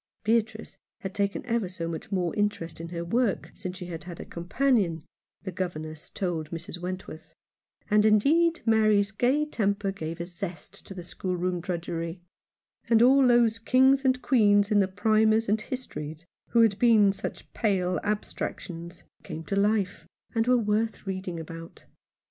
Beatrice had taken ever so much more interest in her work since she had had a companion, the governess told Mrs. Wentworth ; and indeed Mary's gay temper gave a zest to the schoolroom drudgery ; and all those kings and queens in the Primers and Histories who had been such pale abstractions came to life, and were worth reading about.